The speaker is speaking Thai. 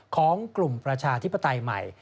ของกลุ่มประชาธิปไตยใหม่